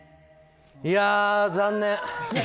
いやー、残念！